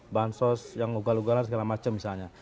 bansos yang ugal ugalan segala macam misalnya